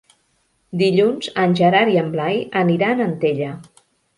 Dilluns en Gerard i en Blai aniran a Antella.